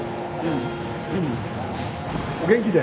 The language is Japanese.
お元気で。